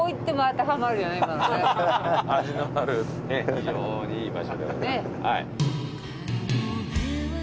非常にいい場所で。